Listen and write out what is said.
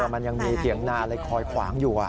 มันยังมีเถียงนาอะไรคอยขวางอยู่